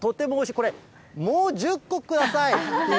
これ、もう１０個くださいという。